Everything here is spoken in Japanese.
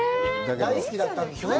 大好きだったんですよね。